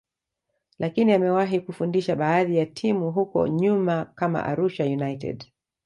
lakini amewahi kufundisha baadhi ya timu huko nyuma kama Arusha United